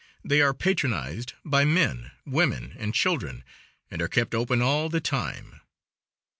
They are patronized by men, women, and children, and are kept open all the time.